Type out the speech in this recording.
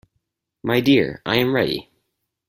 My dear, I am ready!